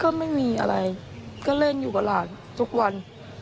ก็ไม่มีอะไรก็เล่นอยู่กับหลานทุกวัน